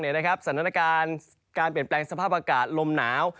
สถานการณ์การเปลี่ยนแปลงสภาพอากาศลมหนาว